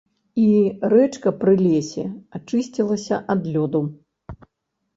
І рэчка пры лесе ачысцілася ад лёду.